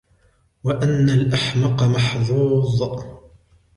وَأَنَّ الْأَحْمَقَ مَحْظُوظٌ